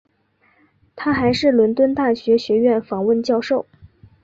他还是伦敦大学学院访问教授。